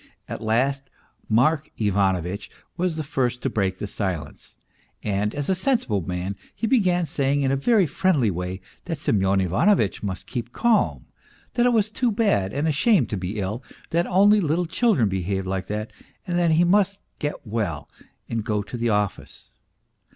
At last Mark Ivano vitch was the first to break silence, and as a sensible man he began saying in a very friendly way that Semyon Ivanovitch must keep calm, that it was too bad and a shame to be ill, that only little children behaved like that, that he must get well and go to the office.